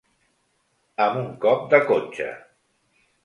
Amb un cop de cotxe.